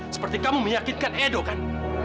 seperti kamu menyakitkan edo kan